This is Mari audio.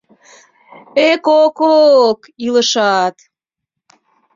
Э-ко-ко-ок, илышат...